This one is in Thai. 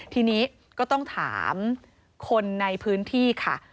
ทีนี้ก็ต้องถามคนในพื้นที่ค่ะ